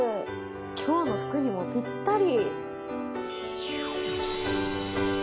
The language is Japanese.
今日の服にもぴったり。